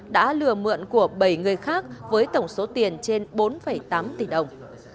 đã lừa mượn của bảy người khác với tổng số tiền trên bốn tám tỷ đồng